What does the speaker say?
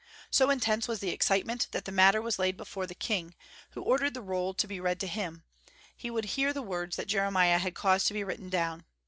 So intense was the excitement that the matter was laid before the king, who ordered the roll to be read to him: he would hear the words that Jeremiah had caused to be written down.